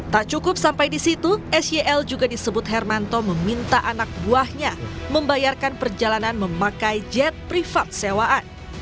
tak cukup sampai di situ syl juga disebut hermanto meminta anak buahnya membayarkan perjalanan memakai jet privat sewaan